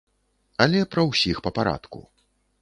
Але пра ўсіх па парадку.